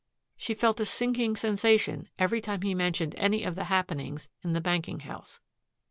She felt a sinking sensation every time he mentioned any of the happenings in the banking house.